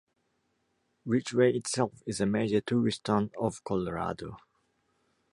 Ridgway itself is a major tourist town of Colorado.